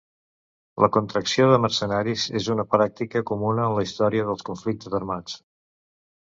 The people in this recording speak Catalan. La contractació de mercenaris és una pràctica comuna en la història dels conflictes armats.